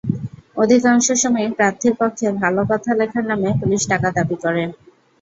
অধিকাংশ সময়ই প্রার্থীর পক্ষে ভালো কথা লেখার নামে পুলিশ টাকা দাবি করে।